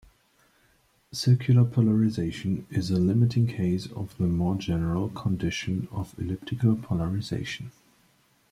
Circular polarization is a limiting case of the more general condition of elliptical polarization.